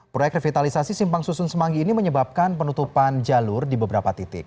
proyek revitalisasi simpang susun semanggi ini menyebabkan penutupan jalur di beberapa titik